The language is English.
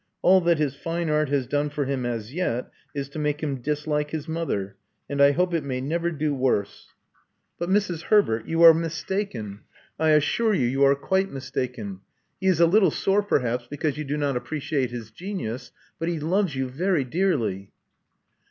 All that his fine art has done for him as yet is to make him dislike his mother; and I hope it may never do worse." "But, Mrs. Herbert, you are mistaken: I assure you 32 Love Among the Artists you are quite mistaken. He is a little sore, perhaps, because you do not appreciate his genius; but he loves you very dearly."